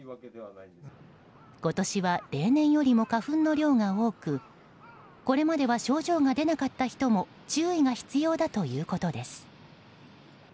今年は例年よりも花粉の量が多くこれまでは症状が出なかった人も注意が必要だということです。